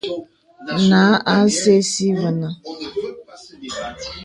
Nǎ à sɛ̀ɛ̀ si və̀nə̀.